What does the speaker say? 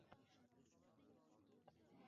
Unda inson, albatta, biror hunarni o‘rganadi.